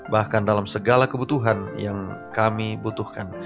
bahkan dalam segala kebutuhan yang kami butuhkan